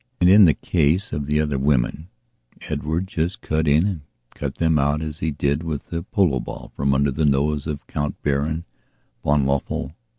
And, in the case of the other women, Edward just cut in and cut them out as he did with the polo ball from under the nose of Count Baron von Lelöffel.